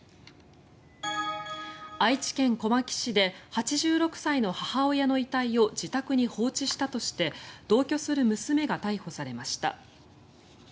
愛知県小牧市で８６歳の母親の遺体を自宅に放置したとして同居する娘が逮捕されました。